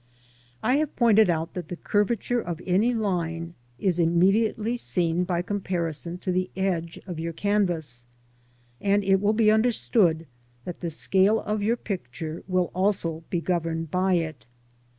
I have pointed out that the curvature of any line is immediately seen by comparison to the edge of your canvas, and it will be understood that the scale of your picture will also be governed by it.